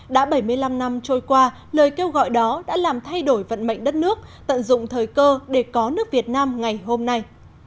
đã bảy mươi năm năm trôi qua lời kêu gọi đó đã làm thay đổi vận mệnh đất nước tận dụng thời cơ để có nước việt nam ngày hôm nay